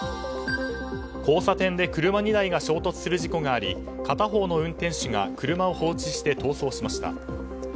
交差点で車２台が衝突する事故があり片方の運転手が車を放置して逃走しました。